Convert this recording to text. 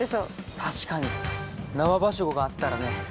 確かに縄ばしごがあったらね。